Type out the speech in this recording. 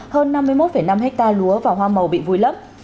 hơn năm mươi một năm hectare lúa và hoa màu bị vui lắm